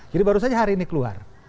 jadi baru saja hari ini keluar